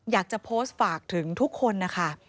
อยากจะโพสต์ฝากถึงทุกคนนะคะ